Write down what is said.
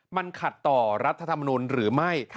มันขัดต่อรัฐธรรมนุนหรือไม่